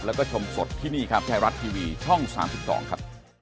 แล้วก็ชมสดที่นี่ครับไทยรัฐทีวีช่อง๓๒ครับ